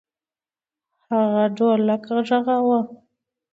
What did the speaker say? هغه ډولک غږاوه.